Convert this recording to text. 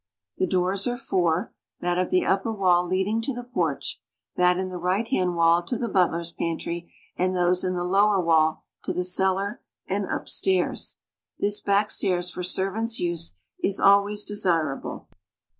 The doors are four, that of the upper wall leading to the ]>orch, that in the right hand wall to the butler's pantry, and those in the lower wall to the cellar and upstairs. This back stairs for servant's use is always desirable.